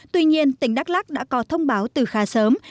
tuy nhiên tỉnh đắk lắc đã có thông báo từ khá sớm